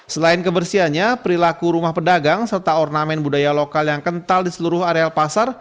selain kebersihannya perilaku rumah pedagang serta ornamen budaya lokal yang kental di seluruh areal pasar